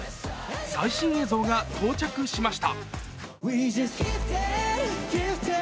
最新映像が到着しました。